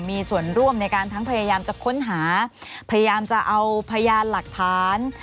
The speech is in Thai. มีส่วนร่วมในการทั้งพยายามจะค้นหาพยายามจะเอาพยานหลักฐาน